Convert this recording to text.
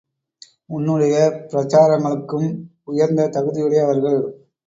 உன்னுடைய பிரசாரங்களுக்கும் உயர்ந்த தகுதியுடைய அவர்கள்.